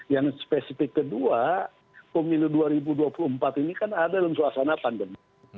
yang spesifik kedua pemilu dua ribu dua puluh empat ini kan ada dalam suasana pandemi